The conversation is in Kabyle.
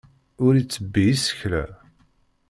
Ur ittebbi isekla.